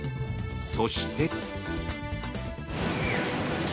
そして。